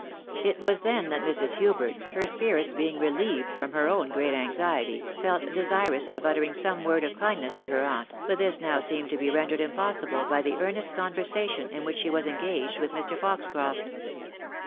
It was then that Mrs. Hubert, her spirits being reheved from her own great anxiety, felt desirous of uttering some word of kindness to her aunt, but this now seemed to be rendered impossible by the earnest conversation in which she was en gaged with Mr. Foxcroft.